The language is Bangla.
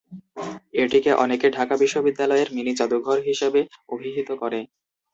এটিকে অনেকে ঢাকা বিশ্ববিদ্যালয়ের 'মিনি জাদুঘর' হিসেবে অভিহিত করে।